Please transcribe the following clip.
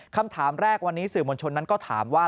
คำถามแรกวันนี้สื่อมวลชนนั้นก็ถามว่า